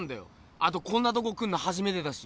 あとこんなとこ来んのはじめてだし。